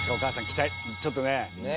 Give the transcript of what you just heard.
期待ちょっとねえ。